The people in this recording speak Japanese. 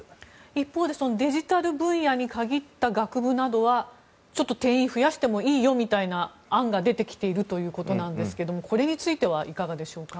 一方でデジタル分野に限った学部などは定員を増やしてもいいよみたいな案が出てきているということなんですがこれについてはいかがでしょうか？